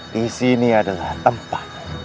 di sini adalah tempat